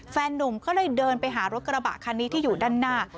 นุ่มก็เลยเดินไปหารถกระบะคันนี้ที่อยู่ด้านหน้า